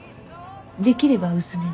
できれば薄めで。